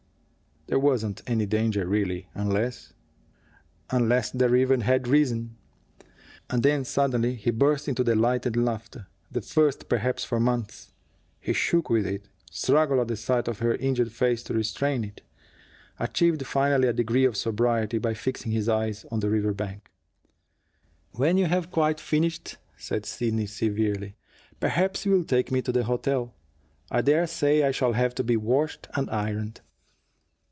"There wasn't any danger, really, unless unless the river had risen." And then, suddenly, he burst into delighted laughter, the first, perhaps, for months. He shook with it, struggled at the sight of her injured face to restrain it, achieved finally a degree of sobriety by fixing his eyes on the river bank. "When you have quite finished," said Sidney severely, "perhaps you will take me to the hotel. I dare say I shall have to be washed and ironed."